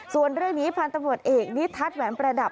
ส่วนเรื่องนี้พันธุ์ตำรวจเอกนิทัศน์แหวนประดับ